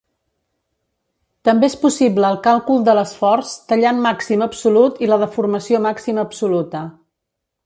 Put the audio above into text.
També és possible el càlcul de l'esforç tallant màxim absolut i la deformació màxima absoluta.